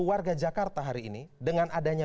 warga jakarta hari ini dengan adanya